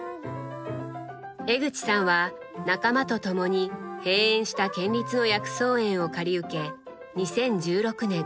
江口さんは仲間と共に閉園した県立の薬草園を借り受け２０１６年